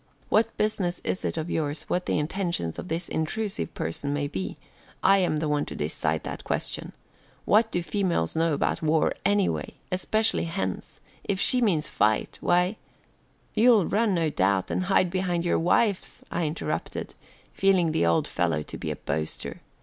"What business is it of yours what the intentions of this intrusive person may be? I am the one to decide that question. What do females know about war, anyway, especially hens? If she means fight, why " "You'll run, no doubt, and hide behind your wives," I interrupted, feeling the old fellow to be a boaster.